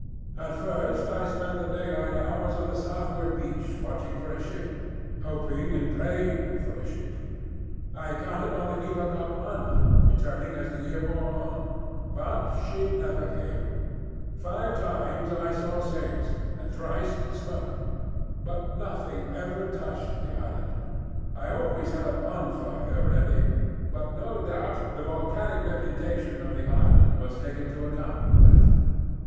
At first I spent the daylight hours on the southward beach watching for a ship, hoping and praying for a ship. I counted on the Ipecacuanha returning as the year wore on; but she never came. Five times I saw sails, and thrice smoke; but nothing ever touched the island. I always had a bonfire ready, but no doubt the volcanic reputation of the island was taken to account for that.